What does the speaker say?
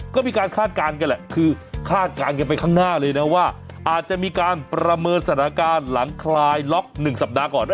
ก็มีการคาดการณ์กันแหละคือคาดการณ์กันไปข้างหน้าเลยนะว่าอาจจะมีการประเมินสถานการณ์หลังคลายล็อก๑สัปดาห์ก่อน